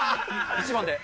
１番で。